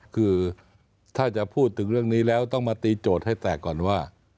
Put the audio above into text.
คือถ้าจะพูดถึงเรื่องนี้แล้วต้องมาตีโจทย์ให้แตกก่อนว่า